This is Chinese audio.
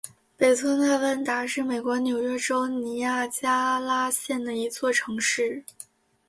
北托纳万达是美国纽约州尼亚加拉县的一座城市。